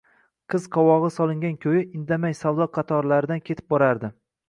qiz qovog‘i solingan ko‘yi, indamay savdo qatorlaridan ketib borardi.